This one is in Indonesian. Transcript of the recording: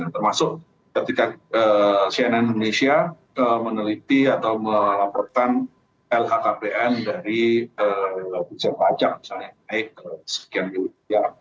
termasuk ketika cnn indonesia meneliti atau melaporkan lhkpn dari pusat pajak misalnya naik sekian miliar